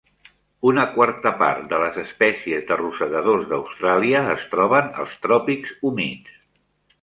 Una quarta part de les espècies de rosegadors d'Austràlia es troben als tròpics humits.